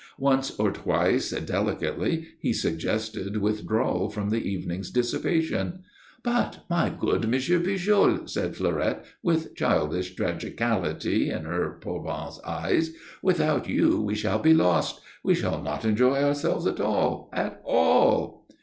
Once or twice, delicately, he suggested withdrawal from the evening's dissipation. "But, my good M. Pujol," said Fleurette, with childish tragicality in her pervenche eyes, "without you we shall be lost. We shall not enjoy ourselves at all, at all."